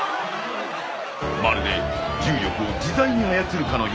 まるで重力を自在に操るかのよう。